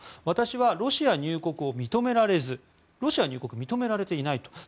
私はロシア入国を認められずロシアの入国が認められていないと。